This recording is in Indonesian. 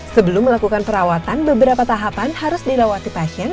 sebelum melakukan perawatan beberapa tahapan harus dilewati pasien